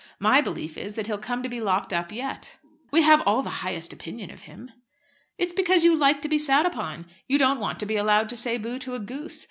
My belief is, that he'll come to be locked up yet." "We have all the highest opinion of him." "It's because you like to be sat upon. You don't want to be allowed to say bo to a goose.